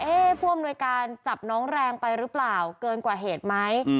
ผู้อำนวยการจับน้องแรงไปหรือเปล่าเกินกว่าเหตุไหม